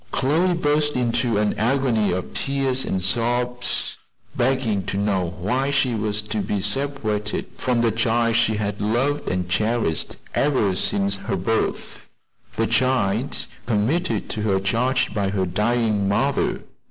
Chloe burst into an agony of tears and sobs, begging to know why she was to be separated from the child she had loved and cherished ever since her birth; the child committed to her charge by her dying mother?